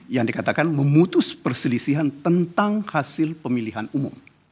yang dikatakan memutus perselisihan tentang hasil pemilihan umum